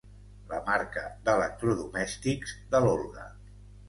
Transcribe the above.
La marca d'electrodomèstics de l'Olga.